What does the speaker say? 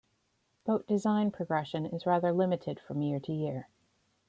Boat design progression is rather limited year to year.